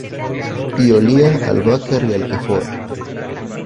Y olía a albahaca y alcanfor.